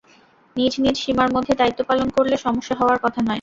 নিজ নিজ সীমার মধ্যে দায়িত্ব পালন করলে সমস্যা হওয়ার কথা নয়।